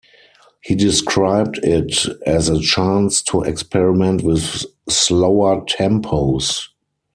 He described it as "a chance to experiment with slower tempos".